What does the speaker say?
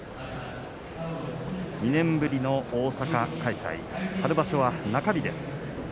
２年ぶりの大阪開催春場所は中日です。